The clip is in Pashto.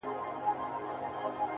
ټولو په لپو کي سندرې; دې ټپه راوړې;